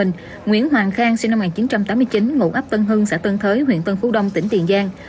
nguyễn hoàng khang sinh năm một nghìn chín trăm tám mươi chín ngụ ấp tân hưng xã tân thới huyện tân phú đông tỉnh tiền giang